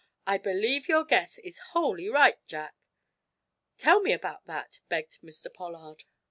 I believe your guess is wholly right, Jack." "Tell me about that," begged Mr. Pollard.